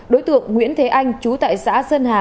đối tượng nguyễn thế anh chú tại xã sơn hà